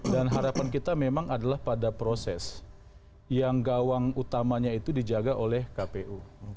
dan harapan kita memang adalah pada proses yang gawang utamanya itu dijaga oleh kpu